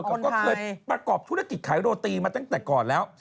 เขาก็เคยประกอบธุรกิจขายโรตีมาตั้งแต่ก่อนแล้ว